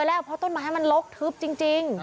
ไปให้มีกำลังลดทึบจริง